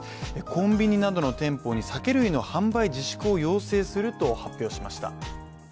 コンビニなどの店舗に酒類の販売自粛を要請すると発表しました。